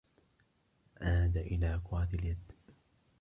عاد إلى كرة اليد.